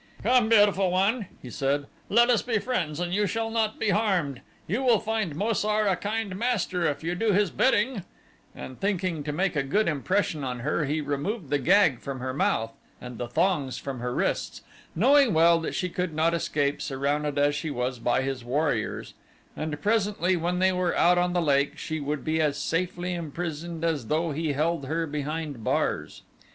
"Come, Beautiful One," he said, "let us be friends and you shall not be harmed. You will find Mo sar a kind master if you do his bidding," and thinking to make a good impression on her he removed the gag from her mouth and the thongs from her wrists, knowing well that she could not escape surrounded as she was by his warriors, and presently, when they were out on the lake, she would be as safely imprisoned as though he held her behind bars.